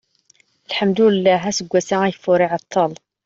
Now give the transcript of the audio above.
lḥemdullah aseggas-a ageffur iɛeṭṭel